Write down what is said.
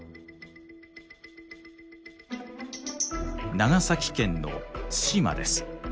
長崎県の対馬です。